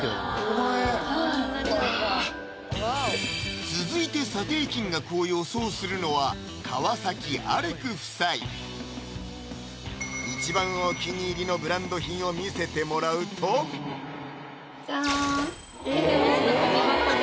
５万円はい続いて査定金額を予想するのは川崎・アレク夫妻一番お気に入りのブランド品を見せてもらうとジャンエルメスのゴミ箱です